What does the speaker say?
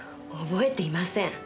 覚えていません。